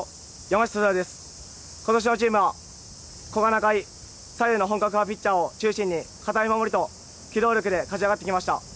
今年のチームは古賀、仲井左右の本格派ピッチャーを中心に堅い守りと機動力で勝ち上がってきました。